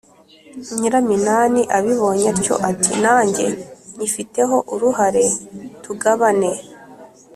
nyiraminani abibonye atyo ati: “nange nyifiteho uruhare, tugabane”!